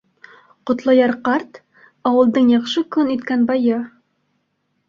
Ҡотлояр ҡарт - ауылдың яҡшы көн иткән байы.